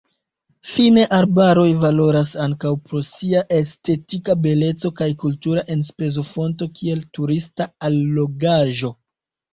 Fine arbaroj valoras ankaŭ pro sia estetika beleco kaj kultura enspezofonto kiel turista allogaĵo.